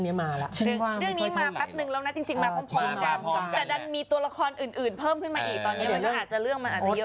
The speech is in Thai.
เดี๋ยวโบนันซ่าซ่าละเดี๋ยวเรื่องนี้มาแล้ว